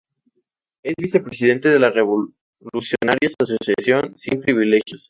Es vicepresidente de la revolucionarios Asociación sin privilegios.